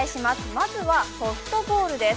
まずは、ソフトボールです。